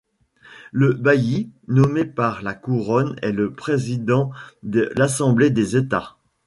Le Bailli, nommé par la Couronne, est le président de l’Assemblée des États.